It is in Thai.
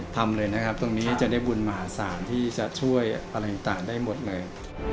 ตรงนี้จะได้บุญมหาศาลที่จะช่วยอะไรต่างได้หมดเลย